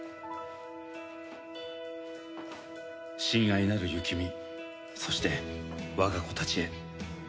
「親愛なる幸実そして我が子たちへ」